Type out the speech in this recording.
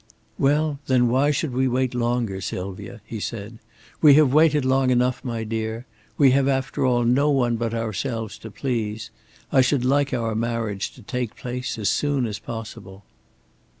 "Well then, why should we wait longer, Sylvia?" he said. "We have waited long enough, my dear. We have after all no one but ourselves to please. I should like our marriage to take place as soon as possible."